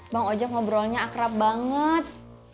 bang ojek ngobrolnya akrab banget